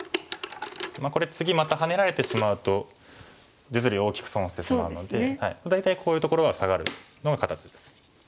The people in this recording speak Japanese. これ次またハネられてしまうと実利を大きく損してしまうので大体こういうところはサガるのが形です。